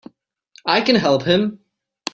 I can help him!